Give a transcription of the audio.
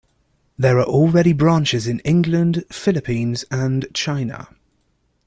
There are already branches in England, Philippines, and China.